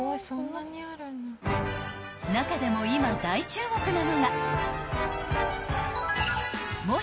［中でも今大注目なのが］